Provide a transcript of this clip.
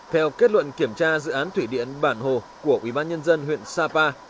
theo kết luận kiểm tra dự án thủy điện bản hồ của ubnd huyện sapa